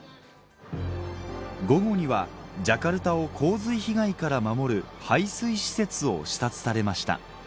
午後にはジャカルタを洪水被害から守る排水施設を視察されました